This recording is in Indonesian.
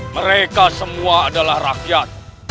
mereka semua adalah rakyat